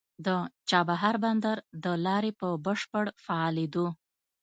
د چابهار بندر د لارې په بشپړ فعالېدو